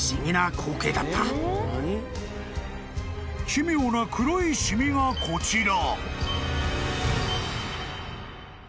［奇妙な黒い染みがこちら］